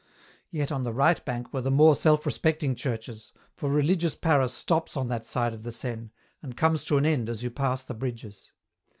Yet on the right bank were the more self respecting churches, for religious Paris stops on that side of the Seine, and comes to an end as you pass the bridges.